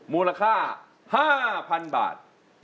มูลค่า๕๐๐๐บาท